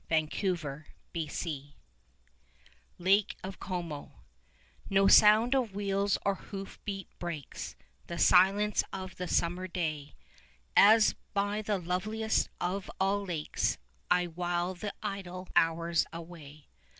CADENABBIA LAKE OF COMO No sound of wheels or hoof beat breaks The silence of the summer day, As by the loveliest of all lakes I while the idle hours away.